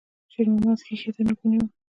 شېرمحمد ښيښې ته نوک ونيو.